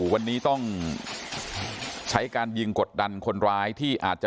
วันนี้ต้องใช้การยิงกดดันคนร้ายที่อาจจะ